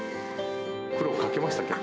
苦労かけましたけど。